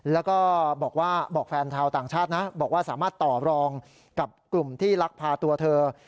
แล้วก็บอกว่ากลุ่มที่รักพาตัวเธอ